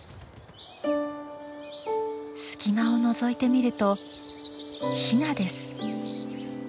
隙間をのぞいてみるとヒナです。